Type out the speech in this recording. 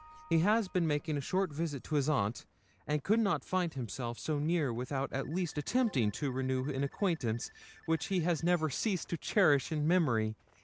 He has been making a short visit to his aunt, and could not find himself so near without at least attempting to renew an acquaintance which he has never ceased to cherish in memory.